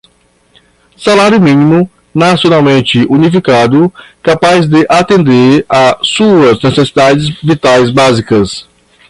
salário mínimo, nacionalmente unificado, capaz de atender a suas necessidades vitais básicas